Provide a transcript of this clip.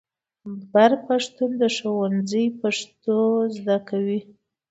بر پښتون د ښوونځي پښتو زده کوي.